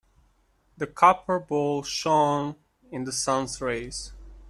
The copper bowl shone in the sun's rays.